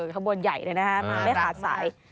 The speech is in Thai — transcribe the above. ขบวนใหญ่เลยนะฮะมาไม่ขาดสาย